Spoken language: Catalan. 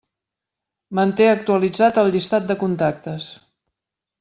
Manté actualitzat el llistat de contactes.